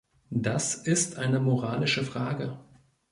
Das ist eine moralische Frage.